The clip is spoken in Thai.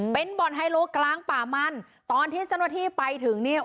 เป็นบ่อนไฮโลกลางป่ามันตอนที่เจ้าหน้าที่ไปถึงเนี่ย